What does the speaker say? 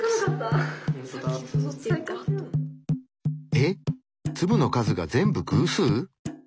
えっ⁉粒の数が全部偶数？